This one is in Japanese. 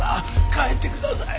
帰ってください。